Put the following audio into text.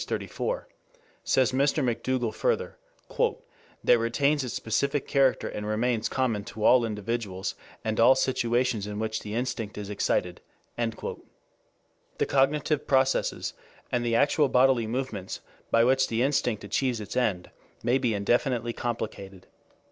34.] says Mr. McDougall further, "that retains its specific character and remains common to all individuals and all situations in which the instinct is excited." The cognitive processes, and the actual bodily movements by which the instinct achieves its end may be indefinitely complicated.